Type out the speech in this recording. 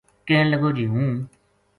کہن لگو جی ہوں